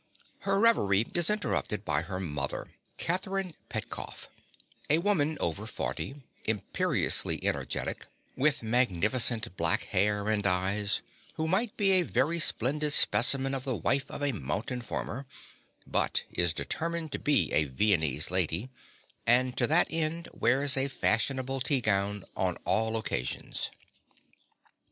Her reverie is interrupted by her mother, Catherine Petkoff, a woman over forty, imperiously energetic, with magnificent black hair and eyes, who might be a very splendid specimen of the wife of a mountain farmer, but is determined to be a Viennese lady, and to that end wears a fashionable tea gown on all occasions.